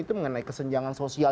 itu mengenai kesenjangan sosial